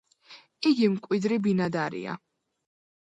იგი მკვიდრი ბინადარია.